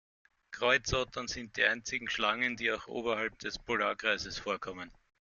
Kreuzottern sind die einzigen Schlangen, die auch oberhalb des Polarkreises vorkommen.